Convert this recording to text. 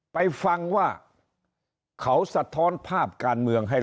ไปฟังว่าเขาสะท้อนภาพการเมืองให้